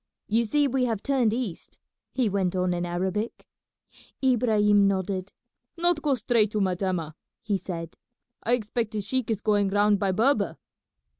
You see we have turned east," he went on in Arabic. Ibrahim nodded. "Not go straight to Metemmeh," he said. "I expect the sheik is going round by Berber."